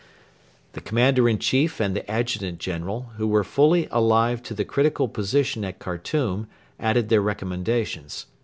The Commander in Chief and the Adjutant General, who were fully alive to the critical position at Khartoum, added their recommendations.